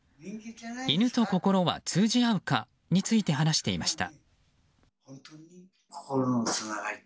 犬と心は通じ合うかについて話していました。